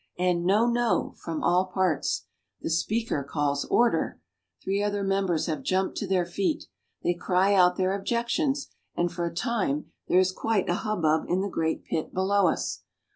and No ! No ! from all parts. The Speaker calls Order ! Three other mem bers have jumped to their feet. They cry out; their objec tions, and for a time there is quite a hubbub in the great pit below us.